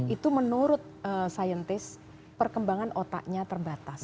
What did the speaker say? itu menurut scientist perkembangan otaknya terbatas